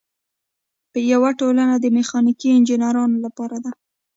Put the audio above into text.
یوه ټولنه د میخانیکي انجینرانو لپاره ده.